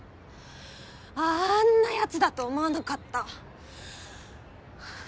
あんなやつだと思わなかった。